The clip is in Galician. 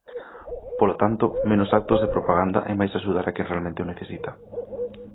Polo tanto, menos actos de propaganda e máis axudar a quen realmente o necesita.